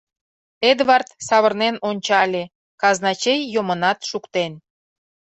Эдвард савырнен ончале: казначей йомынат шуктен.